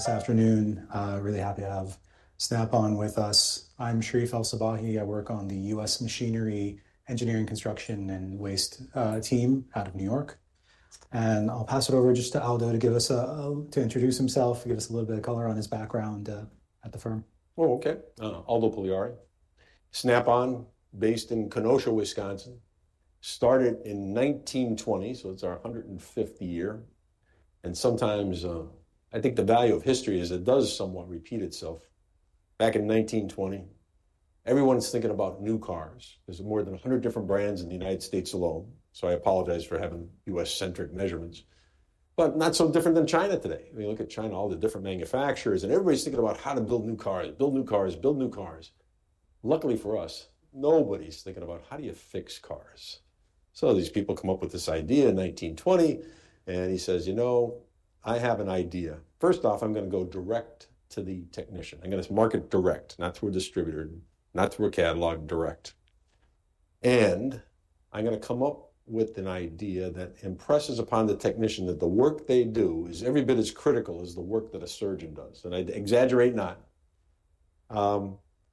This afternoon, really happy to have Snap-on with us. I'm Sherif El-Sabbahy. I work on the U.S. Machinery Engineering Construction and Waste team out of New York. I'll pass it over just to Aldo to give us a—to introduce himself, give us a little bit of color on his background at the firm. Oh, okay. Aldo Pagliari. Snap-on, based in Kenosha, Wisconsin. Started in 1920, so it's our 150th year. I think the value of history is it does somewhat repeat itself. Back in 1920, everyone's thinking about new cars. There's more than 100 different brands in the United States alone. I apologize for having U.S.-centric measurements. Not so different than China today. When you look at China, all the different manufacturers, and everybody's thinking about how to build new cars, build new cars, build new cars. Luckily for us, nobody's thinking about how do you fix cars. These people come up with this idea in 1920, and he says, you know, I have an idea. First off, I'm going to go direct to the technician. I'm going to market direct, not through a distributor, not through a catalog, direct. I'm going to come up with an idea that impresses upon the technician that the work they do is every bit as critical as the work that a surgeon does. I exaggerate not.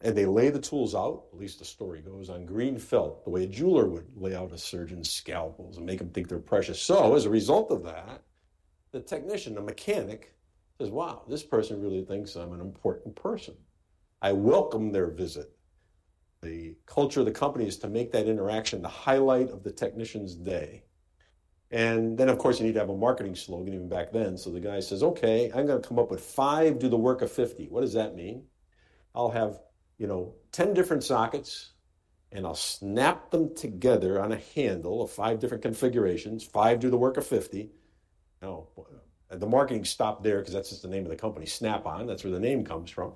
They lay the tools out, at least the story goes, on green felt, the way a jeweler would lay out a surgeon's scalpels and make them think they're precious. As a result of that, the technician, the mechanic, says, wow, this person really thinks I'm an important person. I welcome their visit. The culture of the company is to make that interaction the highlight of the technician's day. Of course, you need to have a marketing slogan even back then. The guy says, okay, I'm going to come up with five do the work of 50. What does that mean? I'll have, you know, 10 different sockets, and I'll snap them together on a handle of five different configurations, five do the work of 50. Now, the marketing stopped there because that's just the name of the company, Snap-on. That's where the name comes from.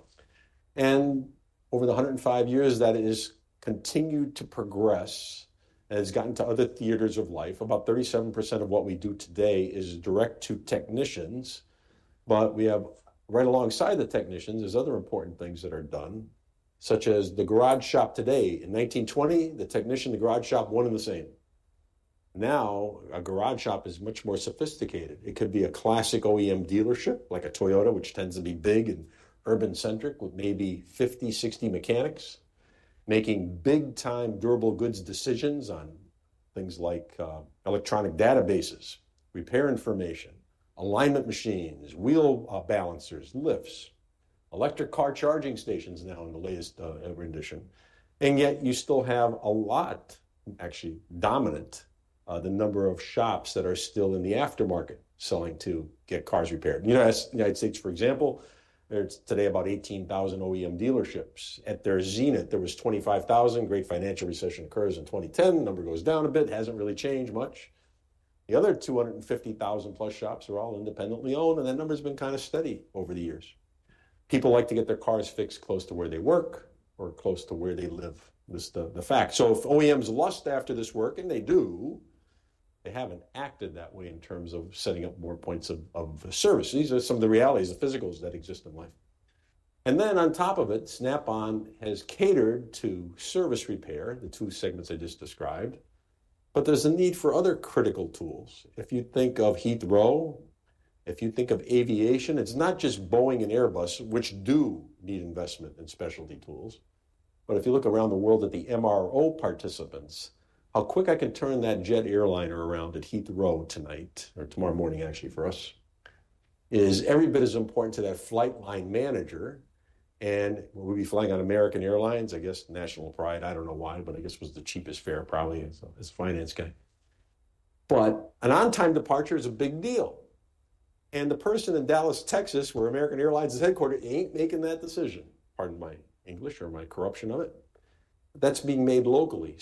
Over the 105 years, that has continued to progress. It's gotten to other theaters of life. About 37% of what we do today is direct to technicians. We have, right alongside the technicians, there are other important things that are done, such as the garage shop today. In 1920, the technician, the garage shop, one and the same. Now, a garage shop is much more sophisticated. It could be a classic OEM dealership, like a Toyota, which tends to be big and urban-centric, with maybe 50, 60 mechanics, making big-time durable goods decisions on things like electronic databases, repair information, alignment machines, wheel balancers, lifts, electric car charging stations now in the latest every edition. Yet you still have a lot, actually dominant, the number of shops that are still in the aftermarket selling to get cars repaired. In the United States, for example, there's today about 18,000 OEM dealerships. At their zenith, there was 25,000. Great financial recession occurs in 2010. The number goes down a bit. It hasn't really changed much. The other 250,000 plus shops are all independently owned, and that number has been kind of steady over the years. People like to get their cars fixed close to where they work or close to where they live. This is the fact. If OEMs lust after this work, and they do, they haven't acted that way in terms of setting up more points of service. These are some of the realities, the physicals that exist in life. Then on top of it, Snap-on has catered to service repair, the two segments I just described. There is a need for other critical tools. If you think of Heathrow, if you think of aviation, it's not just Boeing and Airbus, which do need investment in specialty tools. If you look around the world at the MRO participants, how quick I can turn that jet airliner around at Heathrow tonight or tomorrow morning, actually for us, is every bit as important to that flight line manager. We'll be flying on American Airlines, I guess, national pride. I don't know why, but I guess it was the cheapest fare, probably as a finance guy. An on-time departure is a big deal. The person in Dallas, Texas, where American Airlines is headquartered, ain't making that decision. Pardon my English or my corruption of it. That's being made locally.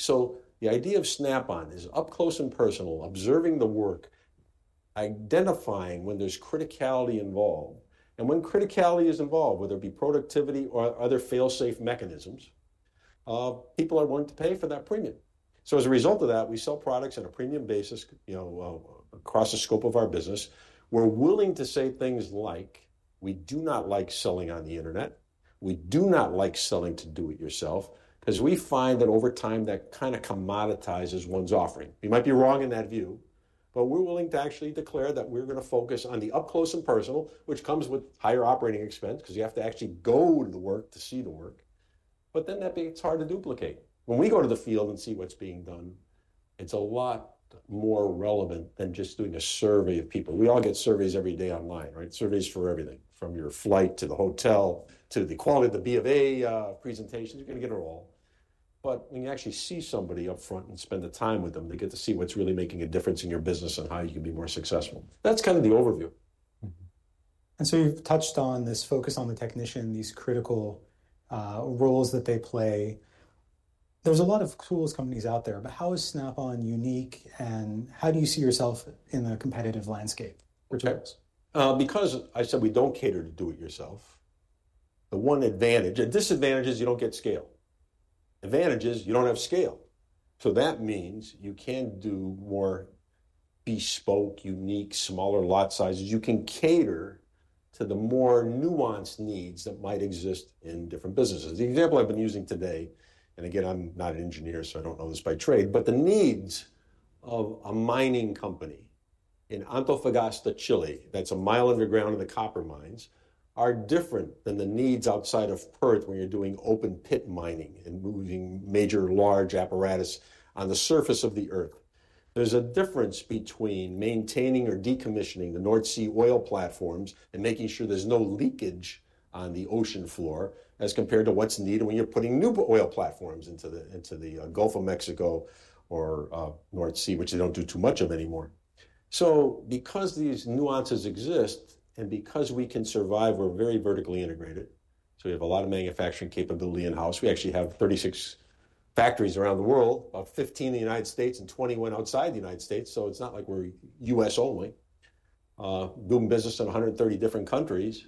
The idea of Snap-on is up close and personal, observing the work, identifying when there's criticality involved. When criticality is involved, whether it be productivity or other fail-safe mechanisms, people are willing to pay for that premium. As a result of that, we sell products on a premium basis, you know, across the scope of our business. We're willing to say things like, we do not like selling on the internet. We do not like selling to do it yourself, because we find that over time, that kind of commoditizes one's offering. We might be wrong in that view, but we're willing to actually declare that we're going to focus on the up close and personal, which comes with higher operating expense, because you have to actually go to the work to see the work. That makes it hard to duplicate. When we go to the field and see what's being done, it's a lot more relevant than just doing a survey of people. We all get surveys every day online, right? Surveys for everything, from your flight to the hotel to the quality of the B of A presentations. You're going to get it all. When you actually see somebody up front and spend the time with them, they get to see what's really making a difference in your business and how you can be more successful. That's kind of the overview. You have touched on this focus on the technician, these critical roles that they play. There are a lot of tools companies out there, but how is Snap-on unique and how do you see yourself in the competitive landscape? Because I said we don't cater to do it yourself. The one advantage—and disadvantage is you don't get scale. Advantage is you don't have scale. That means you can do more bespoke, unique, smaller lot sizes. You can cater to the more nuanced needs that might exist in different businesses. The example I've been using today, and again, I'm not an engineer, so I don't know this by trade, but the needs of a mining company in Antofagasta, Chile, that's a mile underground in the copper mines, are different than the needs outside of Perth when you're doing open pit mining and moving major large apparatus on the surface of the earth. There's a difference between maintaining or decommissioning the North Sea oil platforms and making sure there's no leakage on the ocean floor as compared to what's needed when you're putting new oil platforms into the Gulf of Mexico or North Sea, which they do not do too much of anymore. Because these nuances exist and because we can survive, we're very vertically integrated. We have a lot of manufacturing capability in-house. We actually have 36 factories around the world, about 15 in the United States and 21 outside the United States. It is not like we're U.S. only. Doing business in 130 different countries.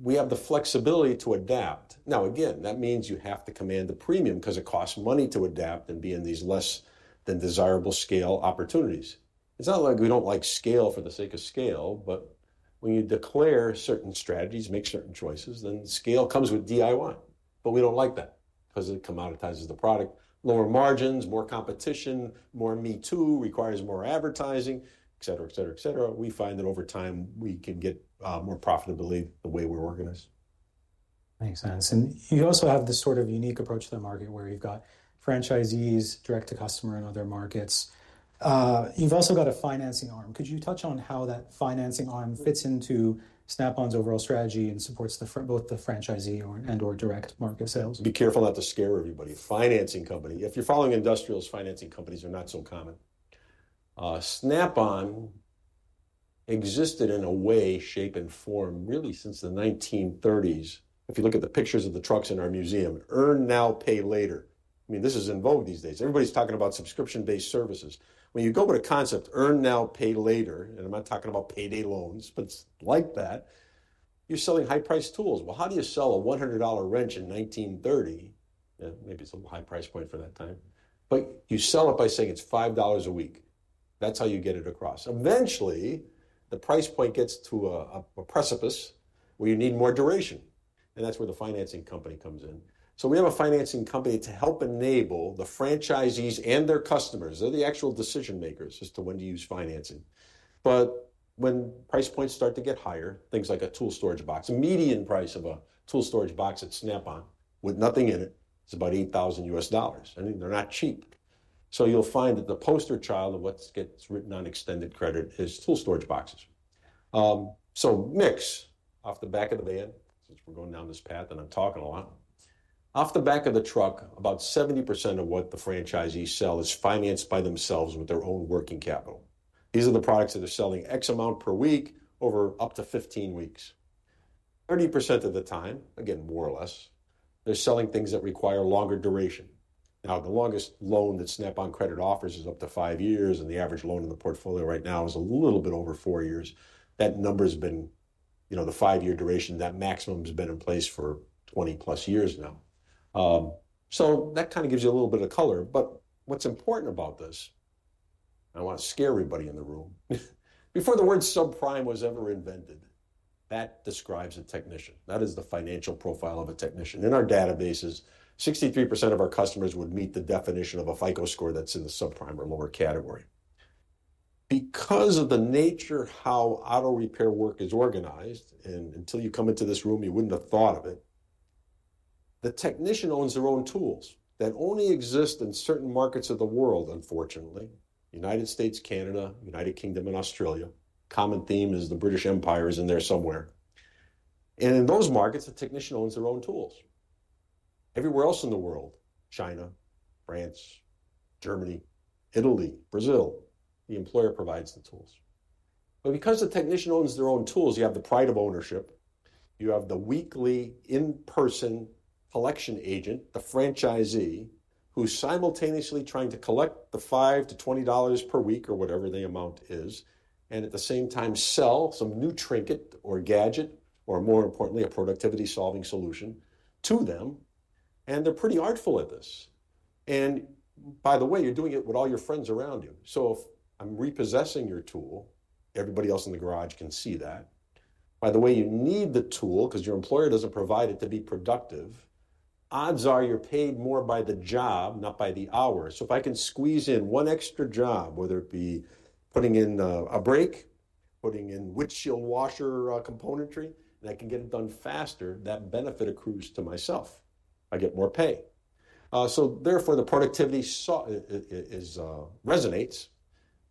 We have the flexibility to adapt. Again, that means you have to command the premium because it costs money to adapt and be in these less than desirable scale opportunities. It's not like we don't like scale for the sake of scale, but when you declare certain strategies, make certain choices, then scale comes with DIY. We don't like that because it commoditizes the product, lower margins, more competition, more me too, requires more advertising, et cetera, et cetera, et cetera. We find that over time we can get more profitability the way we're organized. Makes sense. You also have this sort of unique approach to the market where you've got franchisees, direct-to-customer in other markets. You've also got a financing arm. Could you touch on how that financing arm fits into Snap-on's overall strategy and supports both the franchisee and/or direct market sales? Be careful not to scare everybody. Financing company, if you're following industrials, financing companies are not so common. Snap-on existed in a way, shape, and form really since the 1930s. If you look at the pictures of the trucks in our museum, earn now, pay later. I mean, this is in vogue these days. Everybody's talking about subscription-based services. When you go with a concept, earn now, pay later, and I'm not talking about payday loans, but it's like that, you're selling high-priced tools. How do you sell a $100 wrench in 1930? Maybe it's a little high price point for that time. You sell it by saying it's $5 a week. That's how you get it across. Eventually, the price point gets to a precipice where you need more duration. That's where the financing company comes in. We have a financing company to help enable the franchisees and their customers. They're the actual decision makers as to when to use financing. When price points start to get higher, things like a tool storage box, the median price of a tool storage box at Snap-on with nothing in it is about $8,000. I mean, they're not cheap. You'll find that the poster child of what gets written on extended credit is tool storage boxes. Mix off the back of the van, since we're going down this path and I'm talking a lot. Off the back of the truck, about 70% of what the franchisees sell is financed by themselves with their own working capital. These are the products that are selling X amount per week over up to 15 weeks. 30% of the time, again, more or less, they're selling things that require longer duration. Now, the longest loan that Snap-on Credit offers is up to five years, and the average loan in the portfolio right now is a little bit over four years. That number has been, you know, the five-year duration, that maximum has been in place for 20+ years now. That kind of gives you a little bit of color. What's important about this, I don't want to scare everybody in the room. Before the word subprime was ever invented, that describes a technician. That is the financial profile of a technician. In our databases, 63% of our customers would meet the definition of a FICO score that's in the subprime or lower category. Because of the nature how auto repair work is organized, and until you come into this room, you wouldn't have thought of it, the technician owns their own tools that only exist in certain markets of the world, unfortunately, United States, Canada, United Kingdom, and Australia. Common theme is the British Empire is in there somewhere. In those markets, the technician owns their own tools. Everywhere else in the world, China, France, Germany, Italy, Brazil, the employer provides the tools. Because the technician owns their own tools, you have the pride of ownership. You have the weekly in-person collection agent, the franchisee, who's simultaneously trying to collect the $5 - $20 per week or whatever the amount is, and at the same time sell some new trinket or gadget or more importantly, a productivity-solving solution to them. They're pretty artful at this. By the way, you're doing it with all your friends around you. If I'm repossessing your tool, everybody else in the garage can see that. By the way, you need the tool because your employer doesn't provide it to be productive. Odds are you're paid more by the job, not by the hour. If I can squeeze in one extra job, whether it be putting in a brake, putting in windshield washer componentry, and I can get it done faster, that benefit accrues to myself. I get more pay. Therefore, the productivity resonates.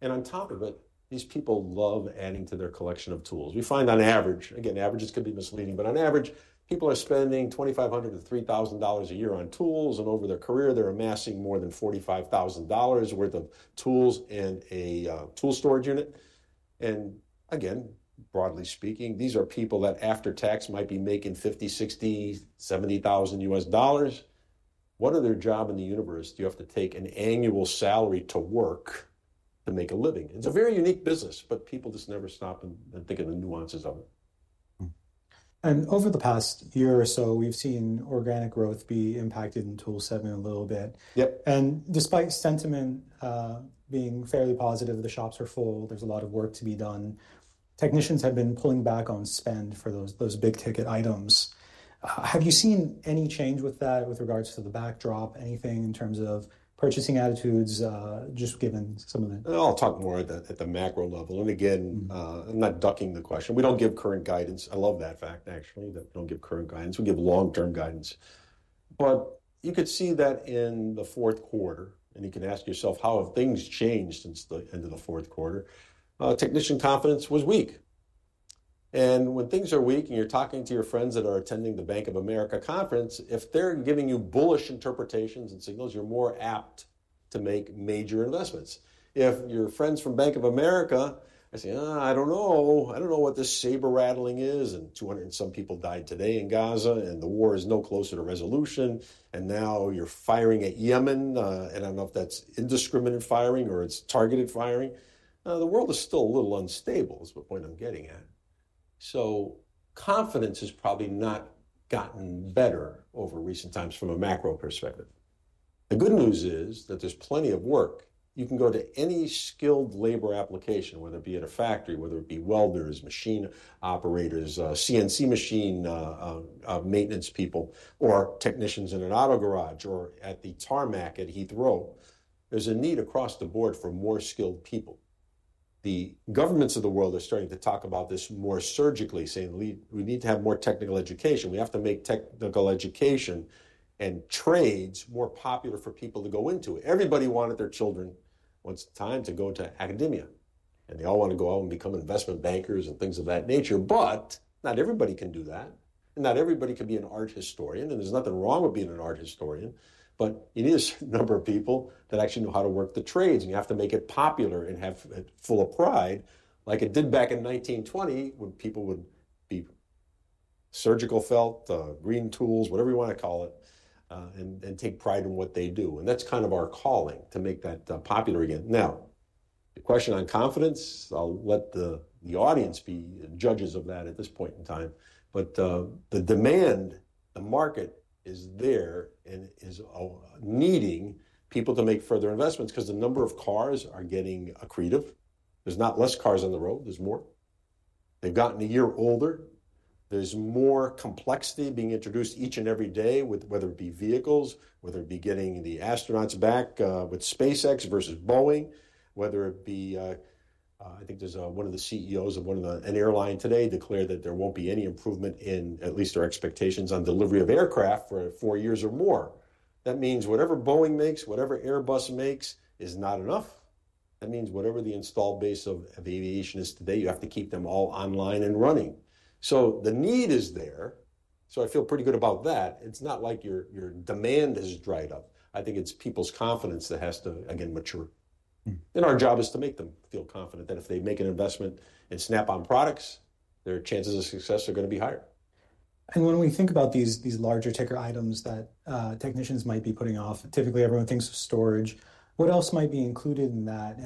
On top of it, these people love adding to their collection of tools. We find on average, again, averages could be misleading, but on average, people are spending $2,500-$3,000 a year on tools. Over their career, they're amassing more than $45,000 worth of tools and a tool storage unit. Broadly speaking, these are people that after tax might be making $50,000, $60,000, $70,000. What other job in the universe do you have to take an annual salary to work to make a living? It is a very unique business, but people just never stop and think of the nuances of it. Over the past year or so, we've seen organic growth be impacted in tool settlement a little bit. Despite sentiment being fairly positive, the shops are full, there's a lot of work to be done. Technicians have been pulling back on spend for those big ticket items. Have you seen any change with that with regards to the backdrop, anything in terms of purchasing attitudes, just given some of the. I'll talk more at the macro level. Again, I'm not ducking the question. We don't give current guidance. I love that fact, actually, that we don't give current guidance. We give long-term guidance. You could see that in the fourth quarter, and you can ask yourself, how have things changed since the end of the fourth quarter? Technician confidence was weak. When things are weak and you're talking to your friends that are attending the Bank of America conference, if they're giving you bullish interpretations and signals, you're more apt to make major investments. If your friends from Bank of America say, I don't know, I don't know what this saber rattling is, and 200 and some people died today in Gaza, and the war is no closer to resolution, and now you're firing at Yemen, and I don't know if that's indiscriminate firing or it's targeted firing, the world is still a little unstable, is the point I'm getting at. Confidence has probably not gotten better over recent times from a macro perspective. The good news is that there's plenty of work. You can go to any skilled labor application, whether it be at a factory, whether it be welders, machine operators, CNC machine maintenance people, or technicians in an auto garage or at the tarmac at Heathrow. There's a need across the board for more skilled people. The governments of the world are starting to talk about this more surgically, saying, we need to have more technical education. We have to make technical education and trades more popular for people to go into it. Everybody wanted their children once in time to go to academia. They all want to go out and become investment bankers and things of that nature. Not everybody can do that. Not everybody can be an art historian. There is nothing wrong with being an art historian. You need a certain number of people that actually know how to work the trades. You have to make it popular and have it full of pride, like it did back in 1920, when people would be surgical felt, green tools, whatever you want to call it, and take pride in what they do. That's kind of our calling to make that popular again. Now, the question on confidence, I'll let the audience be judges of that at this point in time. The demand, the market is there and is needing people to make further investments because the number of cars are getting accretive. There's not less cars on the road. There's more. They've gotten a year older. There's more complexity being introduced each and every day, whether it be vehicles, whether it be getting the astronauts back with SpaceX versus Boeing, whether it be, I think there's one of the CEOs of one of the airlines today declared that there won't be any improvement in at least their expectations on delivery of aircraft for four years or more. That means whatever Boeing makes, whatever Airbus makes is not enough. That means whatever the install base of aviation is today, you have to keep them all online and running. The need is there. I feel pretty good about that. It's not like your demand has dried up. I think it's people's confidence that has to, again, mature. Our job is to make them feel confident that if they make an investment in Snap-on products, their chances of success are going to be higher. When we think about these larger ticket items that technicians might be putting off, typically everyone thinks of storage. What else might be included in that?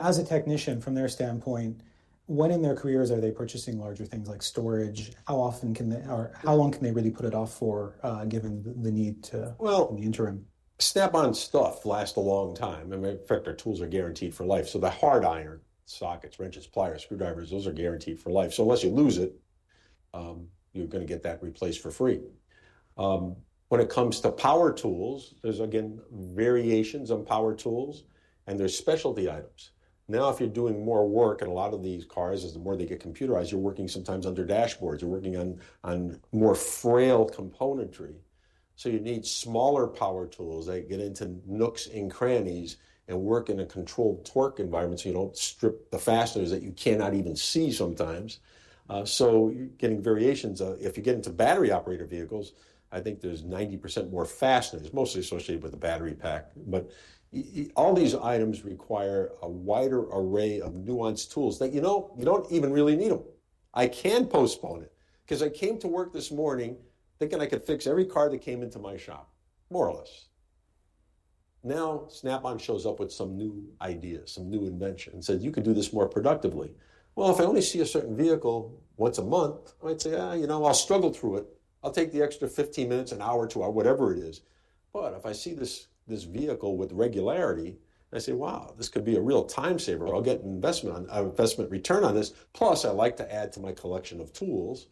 As a technician, from their standpoint, when in their careers are they purchasing larger things like storage? How often can they, or how long can they really put it off for given the need to in the interim? Snap-on stuff lasts a long time. In fact, our tools are guaranteed for life. The hard iron, sockets, wrenches, pliers, screwdrivers, those are guaranteed for life. Unless you lose it, you're going to get that replaced for free. When it comes to power tools, there's, again, variations on power tools, and there's specialty items. If you're doing more work, and a lot of these cars, as the more they get computerized, you're working sometimes under dashboards. You're working on more frail componentry. You need smaller power tools that get into nooks and crannies and work in a controlled torque environment so you don't strip the fasteners that you cannot even see sometimes. You're getting variations. If you get into battery operator vehicles, I think there's 90% more fasteners. It's mostly associated with the battery pack. All these items require a wider array of nuanced tools that you do not even really need. I can postpone it because I came to work this morning thinking I could fix every car that came into my shop, more or less. Snap-on shows up with some new ideas, some new inventions, and says, you could do this more productively. If I only see a certain vehicle once a month, I might say, you know, I will struggle through it. I will take the extra 15 minutes, an hour or two, whatever it is. If I see this vehicle with regularity, I say, wow, this could be a real time saver. I will get an investment return on this. Plus, I like to add to my collection of tools.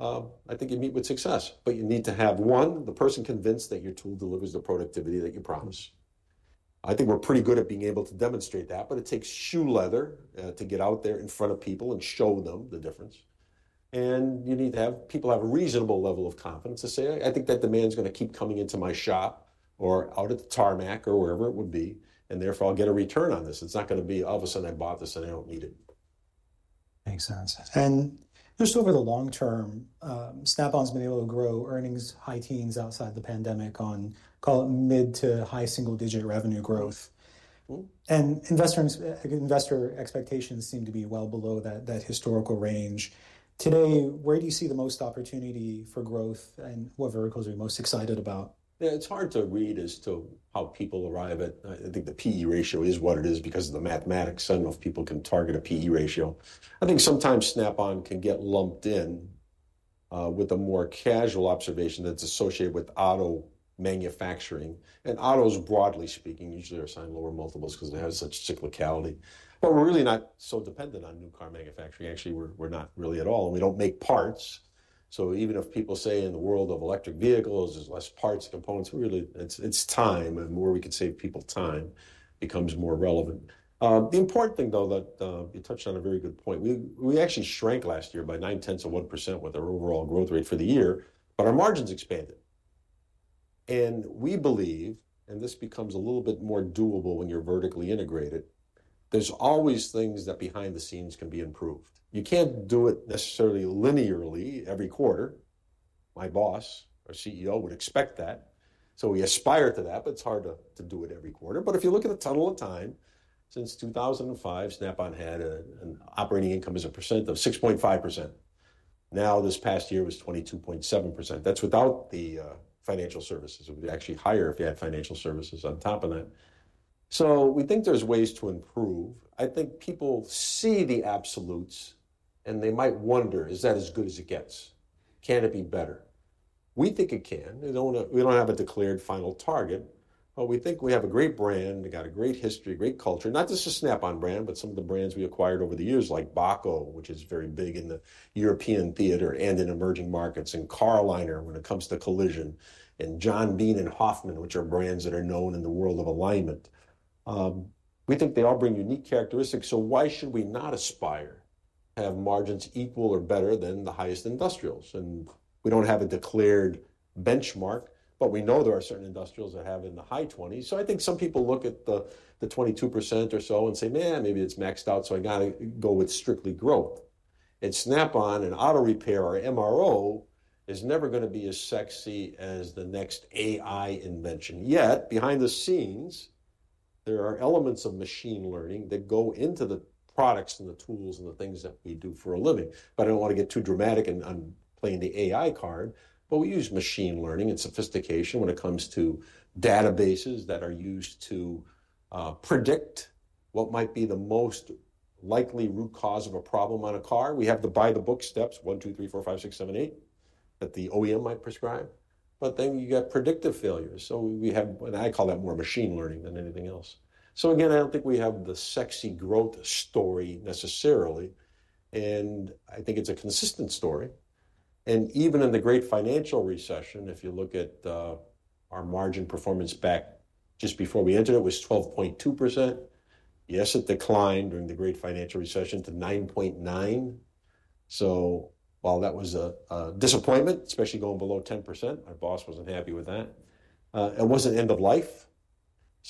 I think you meet with success. You need to have one, the person convinced that your tool delivers the productivity that you promise. I think we're pretty good at being able to demonstrate that, but it takes shoe leather to get out there in front of people and show them the difference. You need to have people have a reasonable level of confidence to say, I think that demand is going to keep coming into my shop or out at the tarmac or wherever it would be. Therefore, I'll get a return on this. It's not going to be all of a sudden I bought this and I don't need it. Makes sense. Just over the long term, Snap-on has been able to grow earnings high teens outside the pandemic on, call it, mid to high single-digit revenue growth. Investor expectations seem to be well below that historical range. Today, where do you see the most opportunity for growth and what verticals are you most excited about? It's hard to read as to how people arrive at, I think the PE ratio is what it is because of the mathematics. I don't know if people can target a PE ratio. I think sometimes Snap-on can get lumped in with a more casual observation that's associated with auto manufacturing. Autos, broadly speaking, usually are assigned lower multiples because they have such cyclicality. We are really not so dependent on new car manufacturing. Actually, we are not really at all. We do not make parts. Even if people say in the world of electric vehicles, there are less parts and components, really, it's time. Where we can save people time becomes more relevant. The important thing, though, that you touched on a very good point, we actually shrank last year by 9/10 of 1% with our overall growth rate for the year, but our margins expanded. We believe, and this becomes a little bit more doable when you're vertically integrated, there's always things that behind the scenes can be improved. You can't do it necessarily linearly every quarter. My boss, our CEO, would expect that. We aspire to that, but it's hard to do it every quarter. If you look at the tunnel of time, since 2005, Snap-on had an operating income as a percent of 6.5%. This past year was 22.7%. That's without the financial services. It would be actually higher if you had financial services on top of that. We think there's ways to improve. I think people see the absolutes, and they might wonder, is that as good as it gets? Can it be better? We think it can. We don't have a declared final target, but we think we have a great brand. We've got a great history, great culture. Not just a Snap-on brand, but some of the brands we acquired over the years, like Bohco, which is very big in the European theater and in emerging markets, and Carliner when it comes to collision, and John Bean and Hofman, which are brands that are known in the world of alignment. We think they all bring unique characteristics. Why should we not aspire to have margins equal or better than the highest industrials? We do not have a declared benchmark, but we know there are certain industrials that have in the high 20s. I think some people look at the 22% or so and say, man, maybe it's maxed out, so I got to go with strictly growth. Snap-on and auto repair or MRO is never going to be as sexy as the next AI invention. Yet, behind the scenes, there are elements of machine learning that go into the products and the tools and the things that we do for a living. I don't want to get too dramatic and playing the AI card, but we use machine learning and sophistication when it comes to databases that are used to predict what might be the most likely root cause of a problem on a car. We have the buy the book steps, 1, 2,3, 4, 5, 6, 7, 8 that the OEM might prescribe. You get predictive failures. We have, and I call that more machine learning than anything else. I don't think we have the sexy growth story necessarily. I think it's a consistent story. Even in the great financial recession, if you look at our margin performance back just before we entered, it was 12.2%. Yes, it declined during the great financial recession to 9.9%. While that was a disappointment, especially going below 10%, my boss was not happy with that. It was not end of life.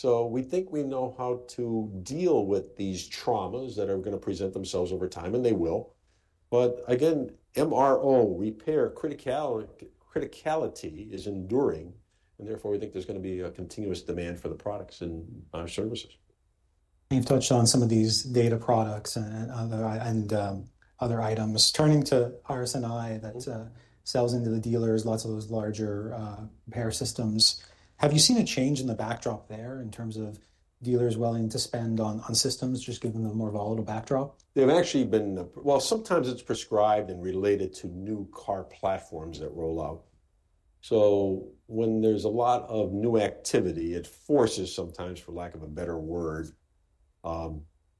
We think we know how to deal with these traumas that are going to present themselves over time, and they will. Again, MRO repair criticality is enduring. Therefore, we think there is going to be a continuous demand for the products and our services. You've touched on some of these data products and other items. Turning to RS&I that sells into the dealers, lots of those larger repair systems. Have you seen a change in the backdrop there in terms of dealers willing to spend on systems, just given the more volatile backdrop? They've actually been, sometimes it's prescribed and related to new car platforms that roll out. When there's a lot of new activity, it forces, for lack of a better word,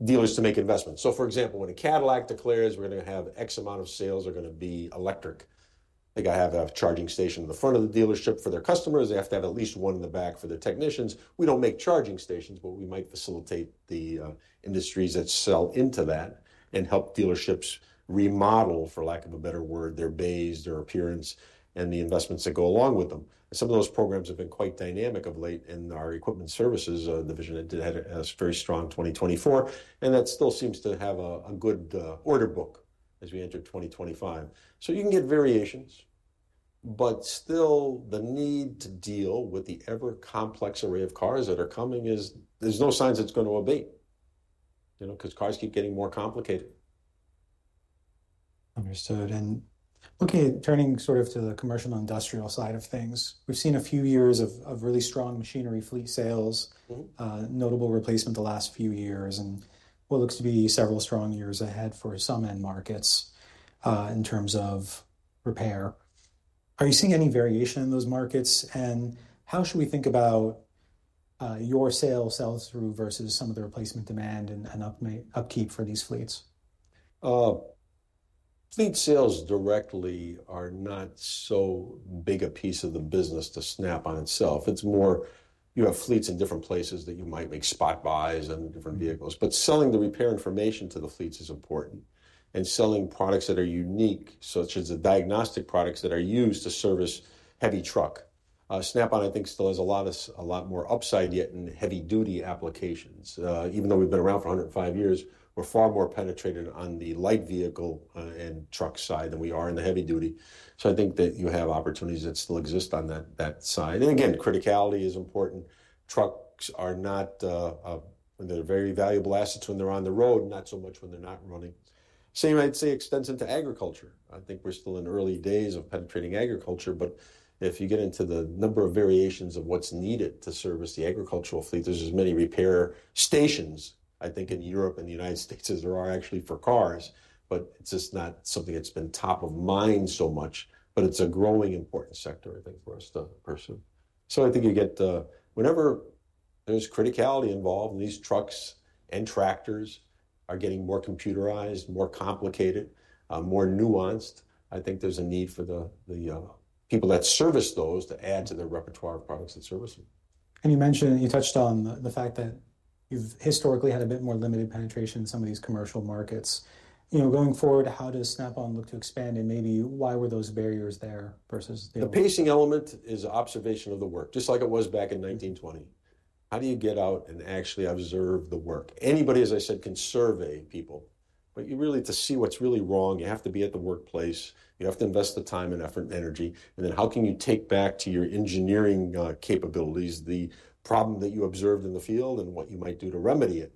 dealers to make investments. For example, when a Cadillac declares we're going to have X amount of sales are going to be electric, I think I have a charging station in the front of the dealership for their customers. They have to have at least one in the back for their technicians. We don't make charging stations, but we might facilitate the industries that sell into that and help dealerships remodel, for lack of a better word, their bays, their appearance, and the investments that go along with them. Some of those programs have been quite dynamic of late in our equipment services division. It had a very strong 2024. That still seems to have a good order book as we enter 2025. You can get variations. Still, the need to deal with the ever-complex array of cars that are coming is, there's no signs it's going to abate, you know, because cars keep getting more complicated. Understood. Okay, turning sort of to the commercial industrial side of things. We have seen a few years of really strong machinery fleet sales, notable replacement the last few years, and what looks to be several strong years ahead for some end markets in terms of repair. Are you seeing any variation in those markets? How should we think about your sales sell-through versus some of the replacement demand and upkeep for these fleets? Fleet sales directly are not so big a piece of the business to Snap-on itself. It's more you have fleets in different places that you might make spot buys on different vehicles. Selling the repair information to the fleets is important. Selling products that are unique, such as the diagnostic products that are used to service heavy truck. Snap-on, I think, still has a lot more upside yet in heavy-duty applications. Even though we've been around for 105 years, we're far more penetrated on the light vehicle and truck side than we are in the heavy-duty. I think that you have opportunities that still exist on that side. Criticality is important. Trucks are not, they're very valuable assets when they're on the road, not so much when they're not running. Same I'd say extends into agriculture. I think we're still in early days of penetrating agriculture. If you get into the number of variations of what's needed to service the agricultural fleet, there's as many repair stations, I think, in Europe and the United States as there are actually for cars. It's just not something that's been top of mind so much. It's a growing important sector, I think, for us to pursue. I think you get whenever there's criticality involved, and these trucks and tractors are getting more computerized, more complicated, more nuanced, I think there's a need for the people that service those to add to their repertoire of products and services. You mentioned you touched on the fact that you've historically had a bit more limited penetration in some of these commercial markets. You know, going forward, how does Snap-on look to expand and maybe why were those barriers there versus the other? The pacing element is observation of the work, just like it was back in 1920. How do you get out and actually observe the work? Anybody, as I said, can survey people. You really, to see what's really wrong, you have to be at the workplace. You have to invest the time and effort and energy. How can you take back to your engineering capabilities the problem that you observed in the field and what you might do to remedy it?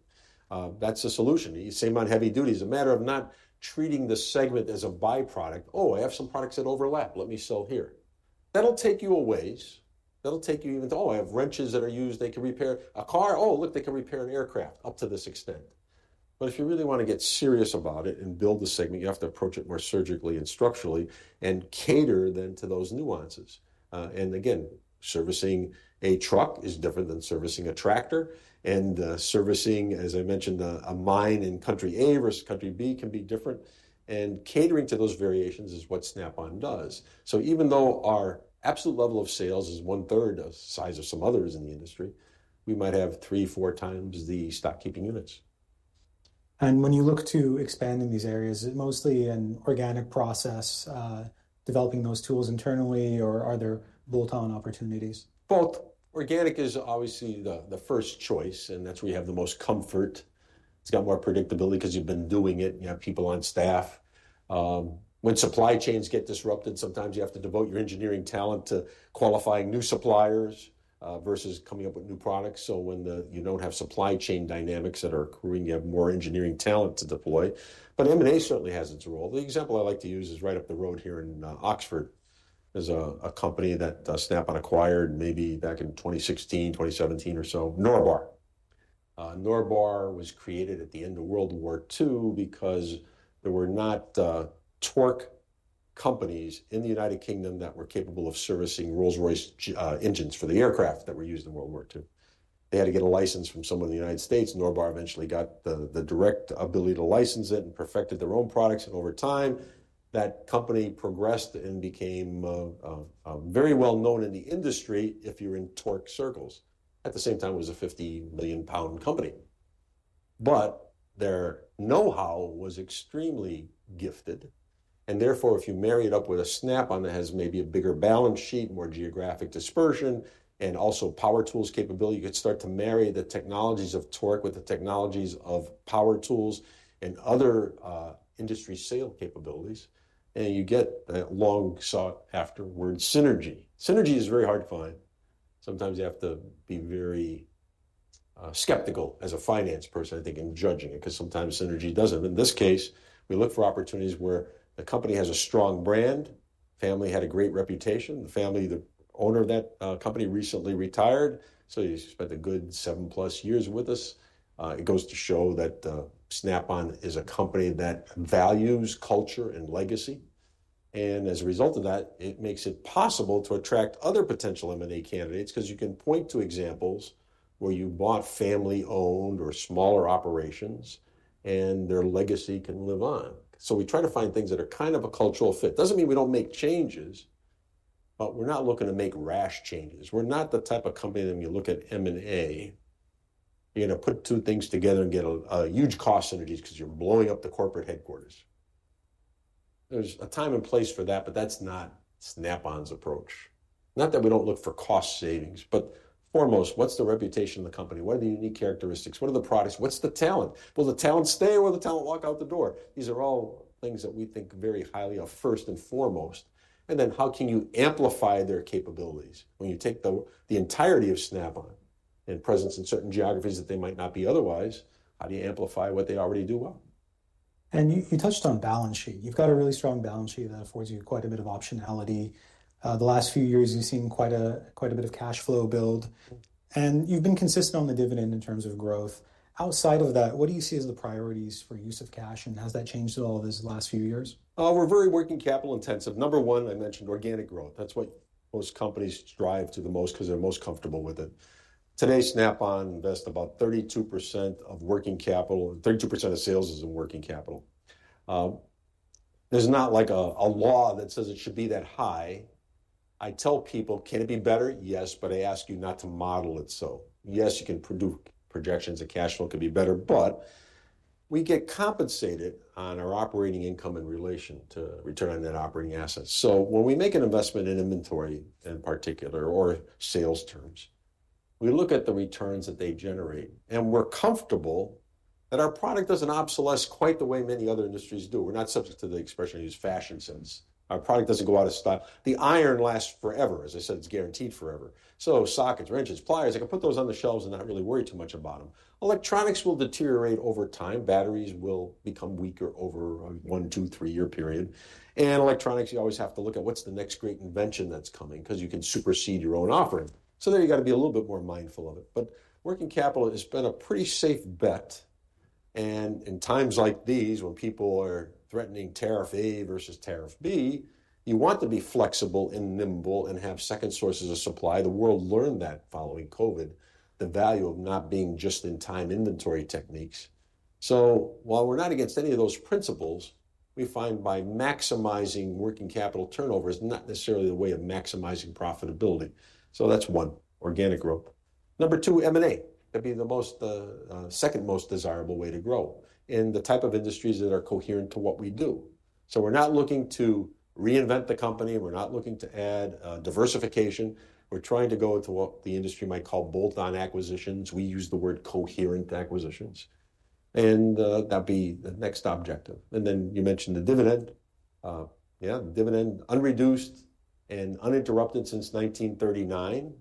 That's a solution. You save on heavy duty. It's a matter of not treating the segment as a byproduct. Oh, I have some products that overlap. Let me sell here. That'll take you a ways. That'll take you even to, oh, I have wrenches that are used. They can repair a car. Oh, look, they can repair an aircraft up to this extent. If you really want to get serious about it and build the segment, you have to approach it more surgically and structurally and cater then to those nuances. Again, servicing a truck is different than servicing a tractor. Servicing, as I mentioned, a mine in country A versus country B can be different. Catering to those variations is what Snap-on does. Even though our absolute level of sales is one third of the size of some others in the industry, we might have three, four times the stock keeping units. When you look to expand in these areas, is it mostly an organic process, developing those tools internally, or are there bolt-on opportunities? Both. Organic is obviously the first choice, and that's where you have the most comfort. It's got more predictability because you've been doing it. You have people on staff. When supply chains get disrupted, sometimes you have to devote your engineering talent to qualifying new suppliers versus coming up with new products. When you don't have supply chain dynamics that are accruing, you have more engineering talent to deploy. M&A certainly has its role. The example I like to use is right up the road here in Oxford. There's a company that Snap-on acquired maybe back in 2016, 2017 or so, Norbar. Norbar was created at the end of World War II because there were not torque companies in the United Kingdom that were capable of servicing Rolls-Royce engines for the aircraft that were used in World War II. They had to get a license from someone in the U.S. Norbar eventually got the direct ability to license it and perfected their own products. Over time, that company progressed and became very well known in the industry if you're in torque circles. At the same time, it was a 50 million pound company. Their know-how was extremely gifted. Therefore, if you marry it up with a Snap-on that has maybe a bigger balance sheet, more geographic dispersion, and also power tools capability, you could start to marry the technologies of torque with the technologies of power tools and other industry sale capabilities. You get that long sought-after word, synergy. Synergy is very hard to find. Sometimes you have to be very skeptical as a finance person, I think, in judging it, because sometimes synergy doesn't. In this case, we look for opportunities where the company has a strong brand. Family had a great reputation. The family, the owner of that company recently retired. He spent a good seven plus years with us. It goes to show that Snap-on is a company that values culture and legacy. As a result of that, it makes it possible to attract other potential M&A candidates because you can point to examples where you bought family-owned or smaller operations and their legacy can live on. We try to find things that are kind of a cultural fit. Doesn't mean we don't make changes, but we're not looking to make rash changes. We're not the type of company that when you look at M&A, you're going to put two things together and get a huge cost synergies because you're blowing up the corporate headquarters. There's a time and place for that, but that's not Snap-on's approach. Not that we don't look for cost savings, but foremost, what's the reputation of the company? What are the unique characteristics? What are the products? What's the talent? Will the talent stay or will the talent walk out the door? These are all things that we think very highly of first and foremost. How can you amplify their capabilities? When you take the entirety of Snap-on and presence in certain geographies that they might not be otherwise, how do you amplify what they already do well? You touched on balance sheet. You have got a really strong balance sheet that affords you quite a bit of optionality. The last few years, you have seen quite a bit of cash flow build. You have been consistent on the dividend in terms of growth. Outside of that, what do you see as the priorities for use of cash? Has that changed at all these last few years? We're very working capital intensive. Number one, I mentioned organic growth. That's what most companies strive to the most because they're most comfortable with it. Today, Snap-on invests about 32% of working capital. 32% of sales is in working capital. There's not like a law that says it should be that high. I tell people, can it be better? Yes, but I ask you not to model it so. Yes, you can do projections that cash flow could be better, but we get compensated on our operating income in relation to return on that operating asset. When we make an investment in inventory in particular or sales terms, we look at the returns that they generate. We're comfortable that our product doesn't obsolescence quite the way many other industries do. We're not subject to the expression I use fashion sense. Our product doesn't go out of style. The iron lasts forever. As I said, it's guaranteed forever. Sockets, wrenches, pliers, I can put those on the shelves and not really worry too much about them. Electronics will deteriorate over time. Batteries will become weaker over a one, two, three year period. Electronics, you always have to look at what's the next great invention that's coming because you can supersede your own offering. There you got to be a little bit more mindful of it. Working capital has been a pretty safe bet. In times like these, when people are threatening tariff A versus tariff B, you want to be flexible and nimble and have second sources of supply. The world learned that following COVID, the value of not being just in time inventory techniques. While we're not against any of those principles, we find by maximizing working capital turnover is not necessarily a way of maximizing profitability. That's one, organic growth. Number two, M&A. That'd be the second most desirable way to grow in the type of industries that are coherent to what we do. We're not looking to reinvent the company. We're not looking to add diversification. We're trying to go to what the industry might call bolt-on acquisitions. We use the word coherent acquisitions. That'd be the next objective. You mentioned the dividend. Yeah, dividend unreduced and uninterrupted since 1939.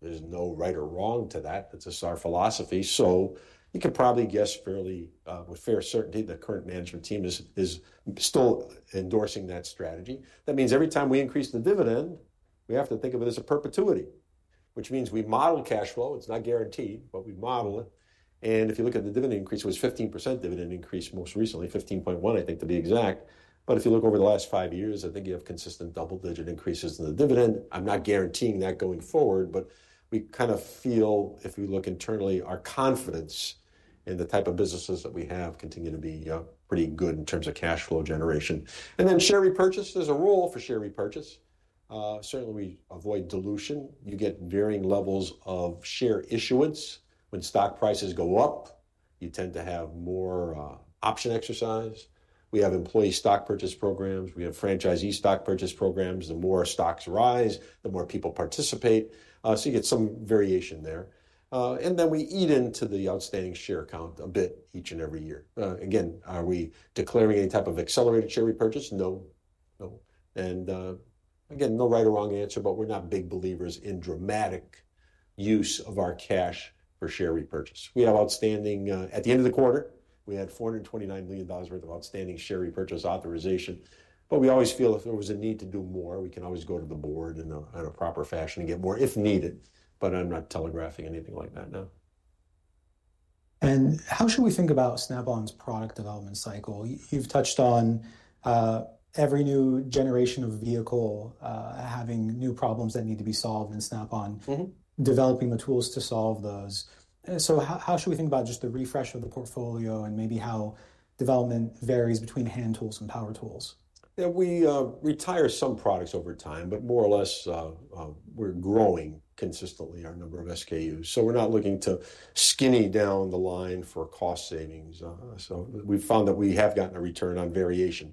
There's no right or wrong to that. That's our philosophy. You can probably guess fairly with fair certainty that the current management team is still endorsing that strategy. That means every time we increase the dividend, we have to think of it as a perpetuity, which means we model cash flow. It's not guaranteed, but we model it. If you look at the dividend increase, it was 15% dividend increase most recently, 15.1%, I think to be exact. If you look over the last five years, I think you have consistent double-digit increases in the dividend. I'm not guaranteeing that going forward, but we kind of feel, if we look internally, our confidence in the type of businesses that we have continued to be pretty good in terms of cash flow generation. Share repurchase, there's a rule for share repurchase. Certainly, we avoid dilution. You get varying levels of share issuance. When stock prices go up, you tend to have more option exercise. We have employee stock purchase programs. We have franchisee stock purchase programs. The more stocks rise, the more people participate. You get some variation there. We eat into the outstanding share count a bit each and every year. Again, are we declaring any type of accelerated share repurchase? No. No. No right or wrong answer, but we're not big believers in dramatic use of our cash for share repurchase. We have outstanding at the end of the quarter, we had $429 million worth of outstanding share repurchase authorization. We always feel if there was a need to do more, we can always go to the board in a proper fashion and get more if needed. I'm not telegraphing anything like that now. How should we think about Snap-on's product development cycle? You've touched on every new generation of vehicle having new problems that need to be solved and Snap-on developing the tools to solve those. How should we think about just the refresh of the portfolio and maybe how development varies between hand tools and power tools? We retire some products over time, but more or less we're growing consistently our number of SKUs. We're not looking to skinny down the line for cost savings. We've found that we have gotten a return on variation.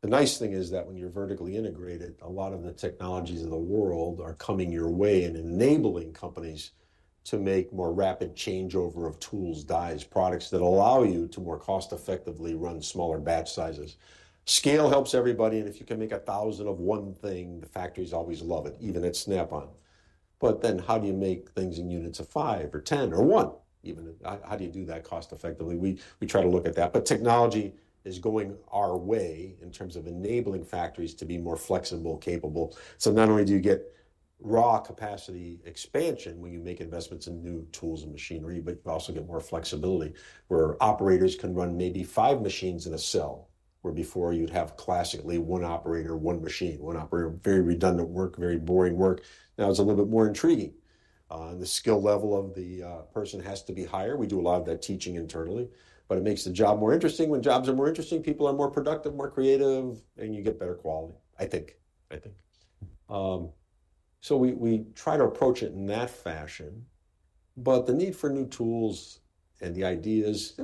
The nice thing is that when you're vertically integrated, a lot of the technologies of the world are coming your way and enabling companies to make more rapid changeover of tools, dies, products that allow you to more cost-effectively run smaller batch sizes. Scale helps everybody. If you can make a thousand of one thing, the factories always love it, even at Snap-on. How do you make things in units of five or ten or one? Even how do you do that cost-effectively? We try to look at that. Technology is going our way in terms of enabling factories to be more flexible, capable. Not only do you get raw capacity expansion when you make investments in new tools and machinery, but you also get more flexibility where operators can run maybe five machines in a cell where before you'd have classically one operator, one machine, one operator, very redundant work, very boring work. Now it's a little bit more intriguing. The skill level of the person has to be higher. We do a lot of that teaching internally, but it makes the job more interesting. When jobs are more interesting, people are more productive, more creative, and you get better quality, I think. I think. We try to approach it in that fashion. The need for new tools and the ideas,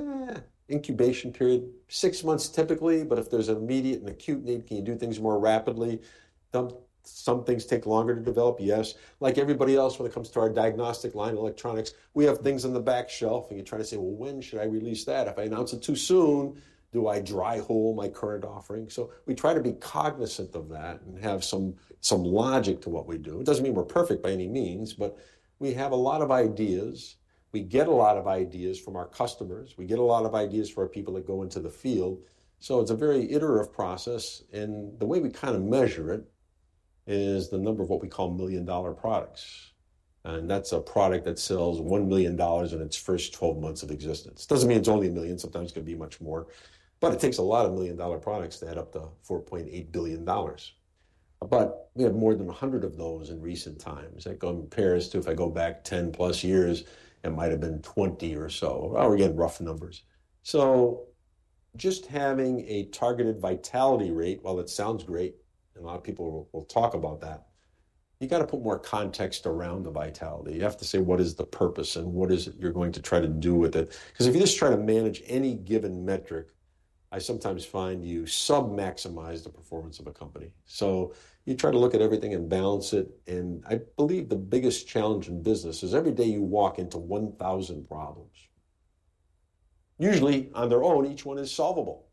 incubation period, six months typically, but if there's immediate and acute need, can you do things more rapidly? Some things take longer to develop, yes. Like everybody else, when it comes to our diagnostic line of electronics, we have things on the back shelf and you try to say, well, when should I release that? If I announce it too soon, do I dry hole my current offering? We try to be cognizant of that and have some logic to what we do. It does not mean we are perfect by any means, but we have a lot of ideas. We get a lot of ideas from our customers. We get a lot of ideas from our people that go into the field. It is a very iterative process. The way we kind of measure it is the number of what we call million dollar products. That is a product that sells $1 million in its first 12 months of existence. It does not mean it is only a million. Sometimes it could be much more. It takes a lot of million dollar products to add up to $4.8 billion. We have more than a hundred of those in recent times. That compares to if I go back 10 plus years, it might have been 20 or so. We are getting rough numbers. Just having a targeted vitality rate, while it sounds great and a lot of people will talk about that, you have to put more context around the vitality. You have to say, what is the purpose and what is it you are going to try to do with it? Because if you just try to manage any given metric, I sometimes find you sub-maximize the performance of a company. You try to look at everything and balance it. I believe the biggest challenge in business is every day you walk into 1,000 problems. Usually on their own, each one is solvable.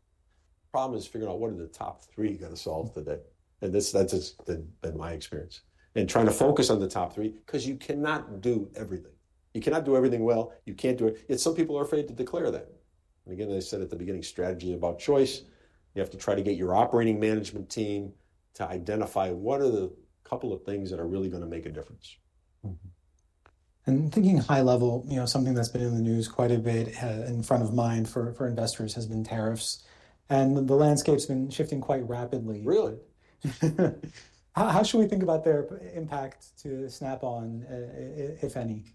The problem is figuring out what are the top three you got to solve today. That has been my experience. Trying to focus on the top three because you cannot do everything. You cannot do everything well. You cannot do it. Some people are afraid to declare that. I said at the beginning, strategy is about choice. You have to try to get your operating management team to identify what are the couple of things that are really going to make a difference. Thinking high level, you know something that's been in the news quite a bit in front of mind for investors has been tariffs. The landscape's been shifting quite rapidly. Really? How should we think about their impact to Snap-on, if any?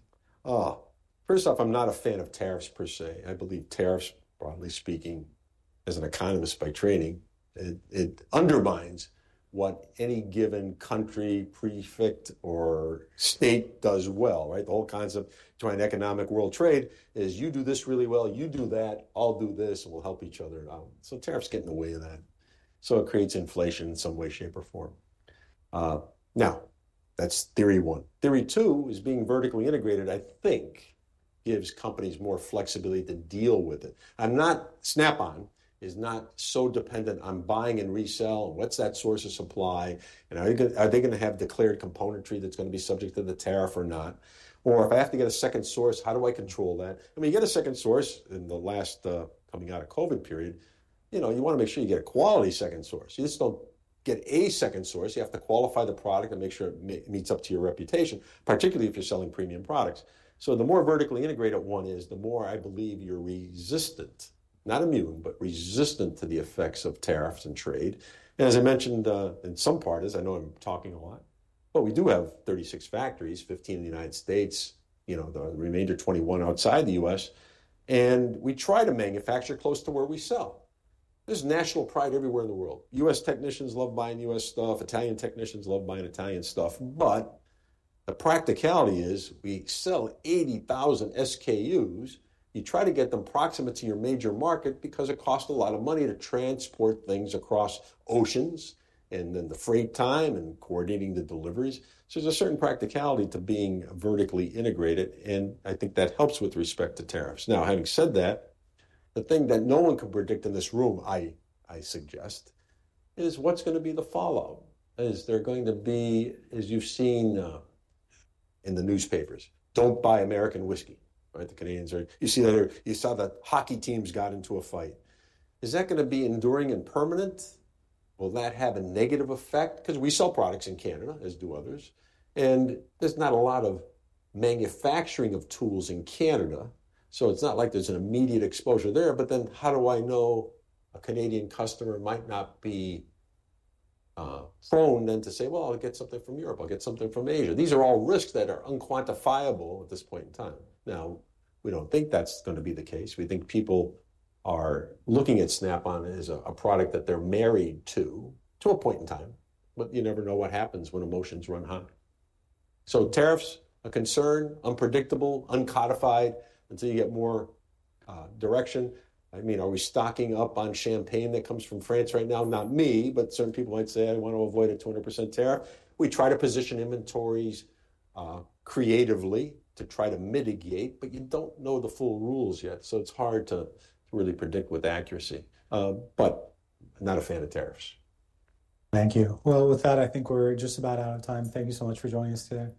Oh, first off, I'm not a fan of tariffs per se. I believe tariffs, broadly speaking, as an economist by training, it undermines what any given country, prefect, or state does well, right? The whole concept of joint economic world trade is you do this really well, you do that, I'll do this and we'll help each other out. Tariffs get in the way of that. It creates inflation in some way, shape, or form. Now, that's theory one. Theory two is being vertically integrated, I think, gives companies more flexibility to deal with it. Snap-on is not so dependent on buying and resell. What's that source of supply? Are they going to have declared componentry that's going to be subject to the tariff or not? If I have to get a second source, how do I control that? When you get a second source in the last coming out of COVID period, you know, you want to make sure you get a quality second source. You just do not get a second source. You have to qualify the product and make sure it meets up to your reputation, particularly if you are selling premium products. The more vertically integrated one is, the more I believe you are resistant, not immune, but resistant to the effects of tariffs and trade. As I mentioned in some parties, I know I am talking a lot, but we do have 36 factories, 15 in the U.S., you know, the remainder 21 outside the U.S. We try to manufacture close to where we sell. There is national pride everywhere in the world. U.S. technicians love buying U.S. stuff. Italian technicians love buying Italian stuff. The practicality is we sell 80,000 SKUs. You try to get them proximate to your major market because it costs a lot of money to transport things across oceans and then the freight time and coordinating the deliveries. There is a certain practicality to being vertically integrated. I think that helps with respect to tariffs. Now, having said that, the thing that no one can predict in this room, I suggest, is what's going to be the follow-up? Is there going to be, as you've seen in the newspapers, don't buy American whiskey, right? The Canadians are, you see that, you saw that hockey teams got into a fight. Is that going to be enduring and permanent? Will that have a negative effect? Because we sell products in Canada, as do others. There is not a lot of manufacturing of tools in Canada. It is not like there is an immediate exposure there. Then how do I know a Canadian customer might not be prone to say, well, I'll get something from Europe. I'll get something from Asia. These are all risks that are unquantifiable at this point in time. Now, we don't think that's going to be the case. We think people are looking at Snap-on as a product that they're married to, to a point in time. But you never know what happens when emotions run high. Tariffs, a concern, unpredictable, uncodified until you get more direction. I mean, are we stocking up on Champagne that comes from France right now? Not me, but certain people might say, I want to avoid a 200% tariff. We try to position inventories creatively to try to mitigate, but you don't know the full rules yet. It's hard to really predict with accuracy. Not a fan of tariffs. Thank you. With that, I think we're just about out of time. Thank you so much for joining us today.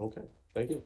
Okay. Thank you.